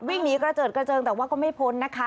วิ่งหนีกระเจิดกระเจิงแต่ว่าก็ไม่พ้นนะคะ